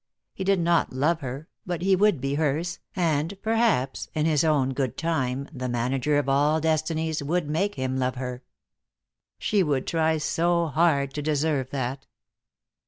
He did not love her, but he would be hers, and perhaps in His own good time the Manager of all destinies would make him love her. She would try so hard to deserve that.